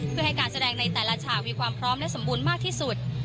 เพื่อให้การแสดงในแต่ละฉากมีความพร้อมและสมบูรณ์มากที่สุด